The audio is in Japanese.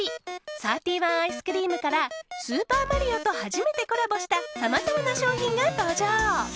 サーティワンアイスクリームから「スーパーマリオ」と初めてコラボしたさまざまな商品が登場。